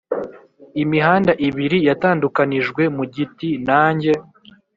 imihanda ibiri yatandukanijwe mu giti, nanjye,